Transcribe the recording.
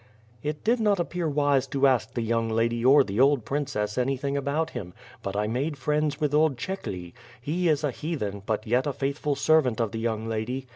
"It did not appear wise to ask the young lady or the old Princess anything about him, but I made friends with old Chekhly. lie is a heathen, but yet a faithful servant of the yonng lady.